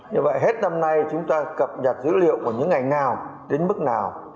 như vậy hết năm nay chúng ta cập nhật dữ liệu của những ngành nào đến mức nào